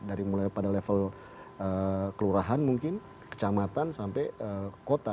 dari mulai pada level kelurahan mungkin kecamatan sampai kota